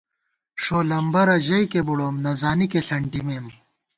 ݭو لَمبَرہ ژَئیکے بُڑوم ، نہ زانِکے ݪَنٹِمېم